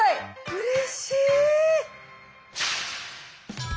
うれしい！